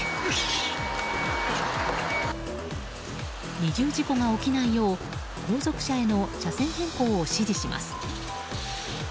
二重事故が起きないよう後続車への車線変更を指示します。